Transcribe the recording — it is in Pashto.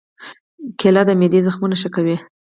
کېله د معدې زخمونه ښه کوي.